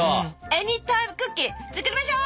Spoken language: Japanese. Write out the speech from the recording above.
エニータイムクッキー作りましょう！